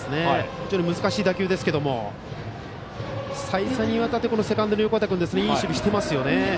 非常に難しい打球ですが再三にわたってセカンドの横田君がいい守備していますよね。